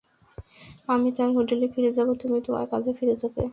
আমি আবার হোটেলে ফিরে যাব, তুমি তোমার কাজে ফিরে যাবে।